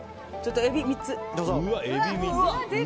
エビ、３つ。